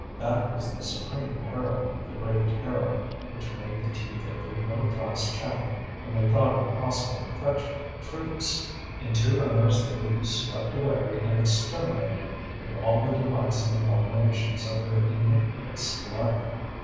That was the supreme peril, the great terror, which made the teeth of the middle class chatter when they thought of a possible defection of the troops. In two hours they would be swept away and exterminated with all the delights and abominations of their iniquitous life.